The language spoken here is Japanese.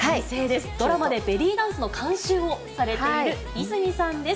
ドラマでベリーダンスの監修をされているイズミさんです。